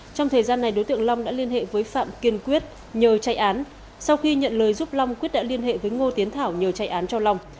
trong thời gian này đối tượng long đã liên hệ với phạm kiên quyết nhờ chạy án sau khi nhận lời giúp long quyết đã liên hệ với ngô tiến thảo nhờ chạy án cho long